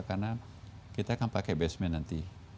karena kita akan pakai basement nanti